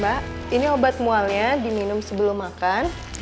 mbak ini obat mualnya di minum sebelum makan